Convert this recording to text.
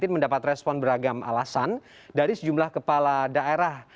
mendapat respon beragam alasan dari sejumlah kepala daerah